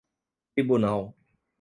tribunal